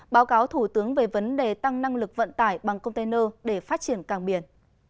báo cáo thủ tướng về vấn đề tăng năng lực vận tải bằng container để phát triển cảng biển